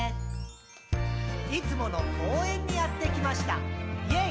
「いつもの公園にやってきました！イェイ！」